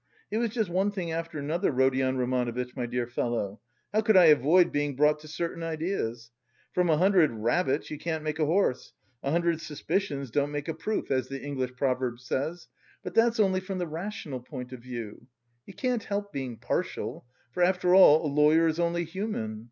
It was just one thing after another, Rodion Romanovitch, my dear fellow! How could I avoid being brought to certain ideas? From a hundred rabbits you can't make a horse, a hundred suspicions don't make a proof, as the English proverb says, but that's only from the rational point of view you can't help being partial, for after all a lawyer is only human.